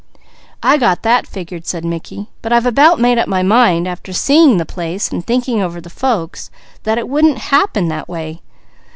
"I got that figured," said Mickey; "but I've about made up my mind, after seeing the place and thinking over the folks, that it wouldn't happen that way.